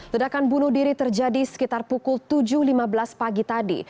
ledakan bunuh diri terjadi sekitar pukul tujuh lima belas pagi tadi